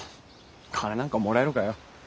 金なんかもらえるかよ。